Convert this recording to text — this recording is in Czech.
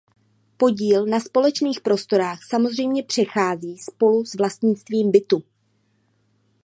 Podíl na společných prostorách samozřejmě přechází spolu s vlastnictvím bytu.